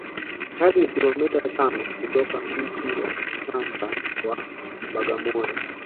Kadri ya kilomita tano kutoka mji wa sasa wa Bagamoyo